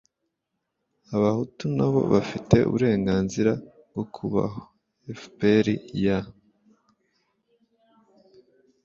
abahutu na bo bafite uburenganzira bwo kubaho. fpr ya